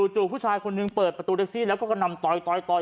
ผู้ชายคนหนึ่งเปิดประตูแท็กซี่แล้วก็นำต่อย